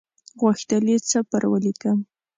غوښتل یې څه پر ولیکم.